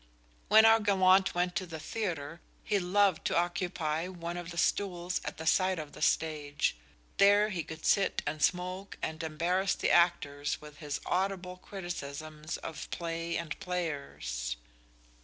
When our gallant went to the theatre he loved to occupy one of the stools at the side of the stage. There he could sit and smoke and embarrass the actors with his audible criticisms of play and players.